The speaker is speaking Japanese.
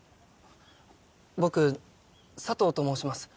僕佐藤と申します。